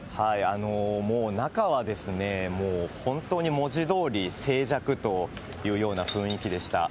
もう中はですね、もう本当に文字どおり、静寂というような雰囲気でした。